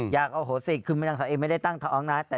อโหสิคือนางสาวเอไม่ได้ตั้งท้องนะ